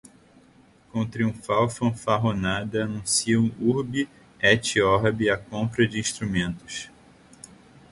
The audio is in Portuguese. com triunfal fanfarronada anunciam urbi et orbi a compra de instrumentos